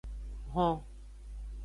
Hon.